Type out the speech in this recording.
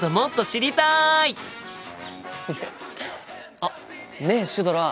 あっねえシュドラ。